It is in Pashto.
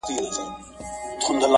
زما په کندهار پوهنتون کې کار و